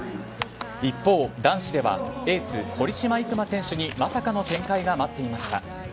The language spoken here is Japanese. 一方、男子ではエース・堀島行真選手にまさかの展開が待っていました。